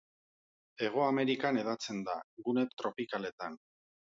Hego Amerikan hedatzen da, gune tropikaletan.